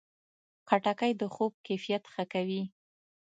خټکی د خوب کیفیت ښه کوي.